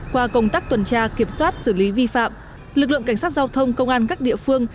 qua công tác tuần tra kiểm soát xử lý vi phạm lực lượng cảnh sát giao thông công an các địa phương